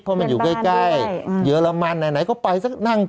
เพราะมันอยู่ใกล้เยอรมันไหนก็ไปสักนั่ง